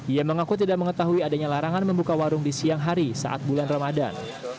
ia mengaku tidak mengetahui adanya larangan membuka warung di siang hari saat bulan ramadan